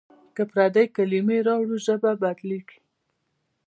که پردۍ کلمې راوړو ژبه بدلېږي.